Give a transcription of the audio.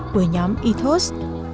của nhóm ethos